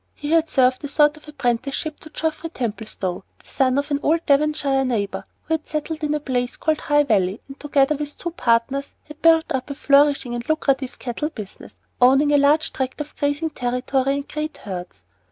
He had served a sort of apprenticeship to Geoffrey Templestowe, the son of an old Devonshire neighbor, who had settled in a place called High Valley, and, together with two partners, had built up a flourishing and lucrative cattle business, owning a large tract of grazing territory and great herds.